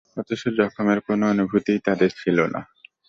অথচ যখমের কোন অনুভূতিই তাদের ছিল না।